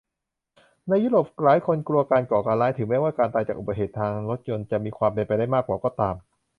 ในยุโรป หลายคนกลัวการก่อการร้าย ถึงแม้ว่าการตายจากอุบัติเหตุทางรถยนต์จะมีความเป็นไปได้มากกว่าก็ตาม